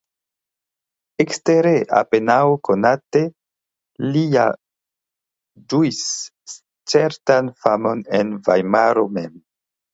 Ekstere apenaŭ konate li ja ĝuis certan famon en Vajmaro mem.